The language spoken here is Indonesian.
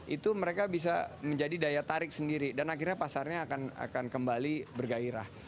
itu mereka bisa menjadi daya tarik sendiri dan akhirnya pasarnya akan kembali bergairah